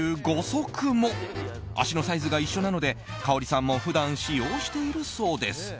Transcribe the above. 足のサイズが一緒なのでかおりさんも普段使用しているそうです。